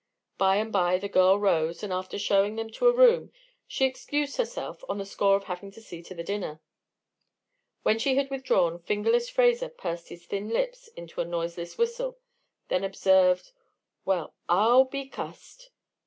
By and by the girl rose, and after showing them to a room, she excused herself on the score of having to see to the dinner. When she had withdrawn, "Fingerless" Fraser pursed his thin lips into a noiseless whistle, then observed: "Well, I'll be cussed!"